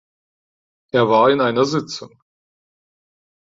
Er war in einer Sitzung.